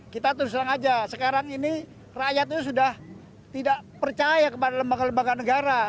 kita terus langsung saja sekarang ini rakyatnya sudah tidak percaya kepada lembaga lembaga negara